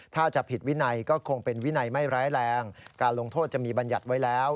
ถ้าจะผิดวินัยก็คงเป็นวินัยไม่ร้ายแรงการลงโทษจะมีบัญญัติไว้แล้ว